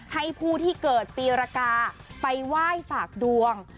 ให้ผู้ที่เกิดปีรกาไปไหว้ฝากดวง